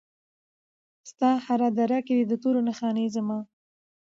ستا هره دره کې دي د تورو نښانې زما